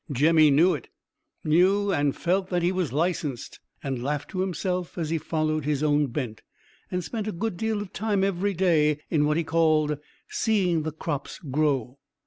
Jemmy knew it, felt that he was licensed, and laughed to himself as he followed his own bent, and spent a good deal of time every day in what he called seeing the crops grow.